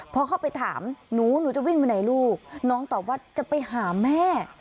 พอเข้าไปถามหนูหนูจะวิ่งไปไหนลูกน้องตอบว่าจะไปหาแม่